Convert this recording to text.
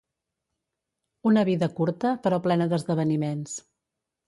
Una vida curta però plena d'esdeveniments.